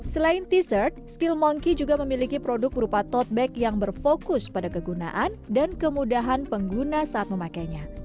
selain t shirt skill monkey juga memiliki produk berupa totback yang berfokus pada kegunaan dan kemudahan pengguna saat memakainya